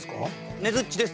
「ねづっちです」